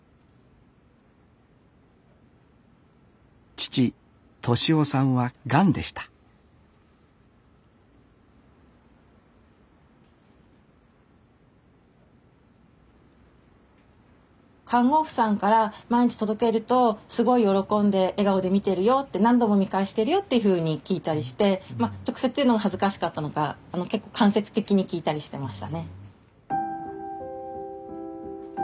父利雄さんはがんでした看護婦さんから毎日届けるとすごい喜んで笑顔で見てるよって何度も見返してるよっていうふうに聞いたりして直接言うのは恥ずかしかったのか結構間接的に聞いたりしてましたね。